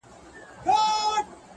زه خوارکی يم- لکه ټپه انتظار-